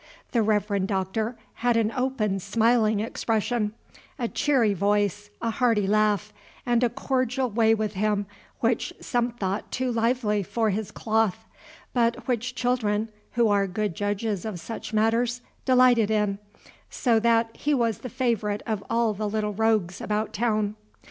The Reverend Doctor had an open, smiling expression, a cheery voice, a hearty laugh, and a cordial way with him which some thought too lively for his cloth, but which children, who are good judges of such matters, delighted in, so that he was the favorite of all the little rogues about town.